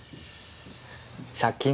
借金？